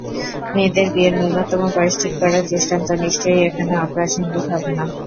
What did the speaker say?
মেয়েদের বিয়ের ন্যূনতম বয়স ঠিক করার দৃষ্টান্ত নিশ্চয়ই এখানে অপ্রাসঙ্গিক হবে না।